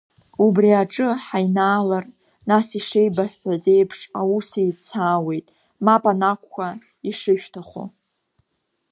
Убри аҿы ҳаинаалар, нас ишеибаҳҳәаз еиԥш аус еицаауеит, мап анакәха, ишышәҭаху.